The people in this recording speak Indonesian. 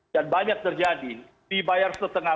dan banyak terjadi dibayar setengah